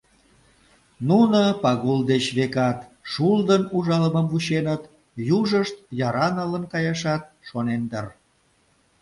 Нуно Пагул деч, векат, шулдын ужалымым вученыт, южышт яра налын каяшат шонен дыр.